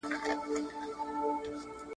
ارمان پوره سو د مُلا، مطرب له ښاره تللی ,